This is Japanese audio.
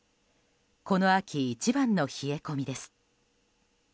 この秋一番の冷え込みです。